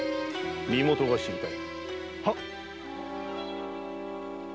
身元が知りたい。